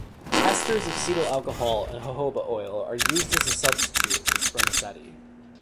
Esters of cetyl alcohol and jojoba oil are used as a substitute for spermaceti.